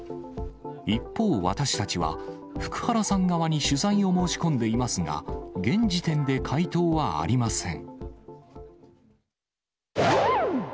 一方、私たちは福原さん側に取材を申し込んでいますが、現時点で回答はありません。